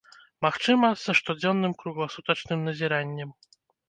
Магчыма, са штодзённым кругласутачным назіраннем.